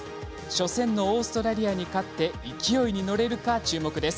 初戦のオーストラリアに勝って勢いに乗れるのか注目です。